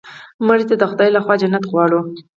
مړه ته د خدای له خوا جنت غواړو